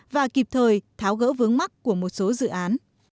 và kịp thời tháo gỡ vướng mắt của một số dự án